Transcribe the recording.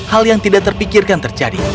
hal yang tidak terpikirkan terjadi